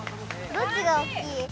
どっちが大きい？